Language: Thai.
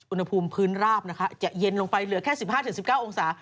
อุณหภูมิพื้นราบนะคะจะเย็นลงไปเหลือแค่๑๕๑๙องศา